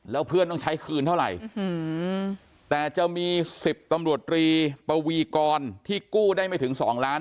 แล้วเพื่อนต้องใช้คืนเท่าไหร่แต่จะมี๑๐ตำรวจตรีปวีกรที่กู้ได้ไม่ถึง๒ล้าน